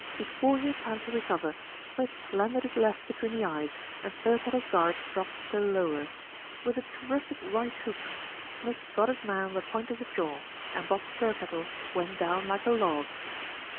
Before he had time to recover, Smith landed his left between the eyes, and Thirkettle's guard dropped still lower. With a terrific right hook, Smith got his man on the point of the jaw, and Bob Thirkettle went down like a log.